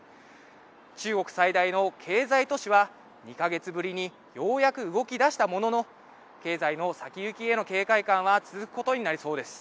中国最大の経済都市は２か月ぶりにようやく動きだしたものの経済の先行きへの警戒感は続くことになりそうです。